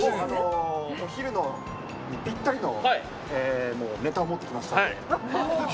お昼にぴったりのネタを持ってきましたので。